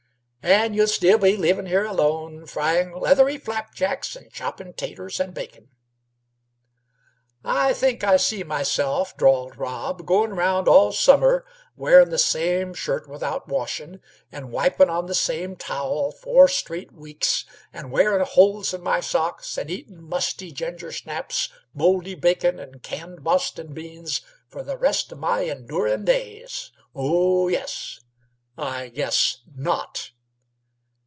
"And you'll still be living here alone, frying leathery slapjacks an' chopping 'taters and bacon." "I think I see myself," drawled Rob, "goin' around all summer wearin' the same shirt without washin', an' wipin' on the same towel four straight weeks, an' wearin' holes in my socks, an' eatin' musty ginger snaps, mouldy bacon, an' canned Boston beans f'r the rest o' my endurin' days! Oh, yes; I guess not!"